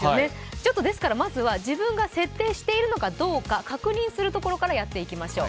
まずは自分が設定しているのかどうか確認するところからやっていきましょう。